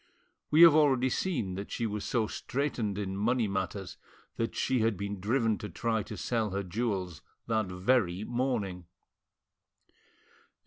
We have already seen that she was so straitened in money matters that she had been driven to try to sell her jewels that very, morning.